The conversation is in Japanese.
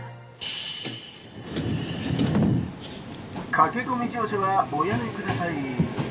「駆け込み乗車はおやめください」。